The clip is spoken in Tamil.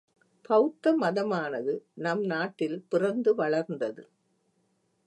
பௌத்த மதமானது நம் நாட்டில் பிறந்து வளர்ந்தது.